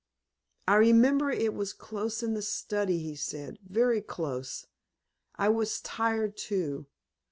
"I remember it was close in the study," he said "very close; I was tired too.